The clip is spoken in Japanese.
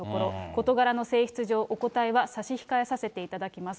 事柄の性質上、お答えは差し控えさせていただきます。